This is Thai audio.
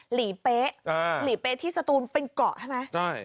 หลีเป๊ะหลีเป๊ะที่สตูนเป็นเกาะใช่ไหมใช่